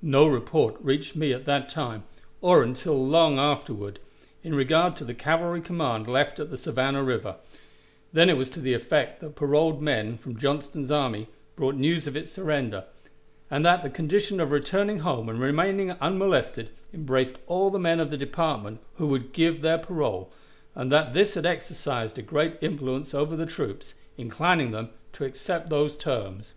No report reached me at that time, or until long afterward, in regard to the cavalry command left at the Savannah River; then it was to the effect that paroled men from Johnston's army brought news of its surrender, and that the condition of returning home and remaining unmolested embraced all the men of the department who would give their parole, and that this had exercised a great influence over the troops, inclining them to accept those terms.